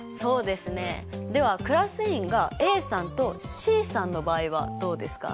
ではクラス委員がＡさんとＣさんの場合はどうですか？